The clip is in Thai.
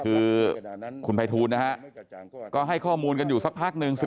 คือคุณภัยทูลนะฮะก็ให้ข้อมูลกันอยู่สักพักหนึ่ง